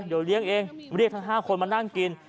เดี๋ยวเลี้ยงเองเรียกทั้ง๕คนมานั่งกิน